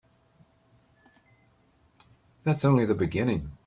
That's only the beginning.